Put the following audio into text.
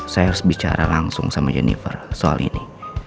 saya harus bicara langsung sama jennifer soal ini